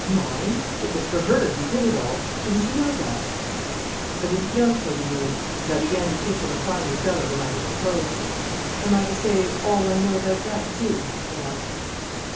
"Mind! It was for her he did it all; didn't you know that?" I didn't know Teddy knew it, and I began to think him a finer fellow than I had supposed. "Am I to say all I know about that too?" I asked.